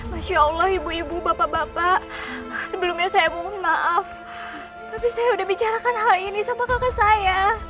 masya allah ibu ibu bapak bapak sebelumnya saya mohon maaf tapi saya sudah bicarakan hal ini sama kakak saya